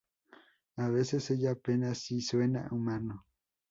A veces, ella apenas si suena humano.